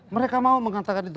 mereka mau mengatakan itu